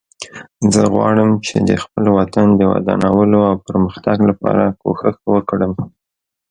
زه غواړم چې د خپل وطن د ودانولو او پرمختګ لپاره کوښښ وکړم